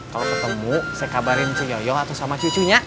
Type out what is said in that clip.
kalau ketemu saya kabarin cuyoyo atau sama cucunya